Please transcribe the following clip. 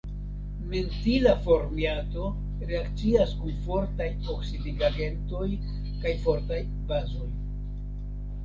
Mentila formiato reakcias kun fortaj oksidigagentoj kaj fortaj bazoj.